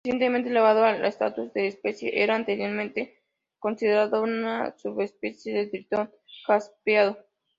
Recientemente elevado al estatus de especie, era anteriormente considerado una subespecie del tritón jaspeado.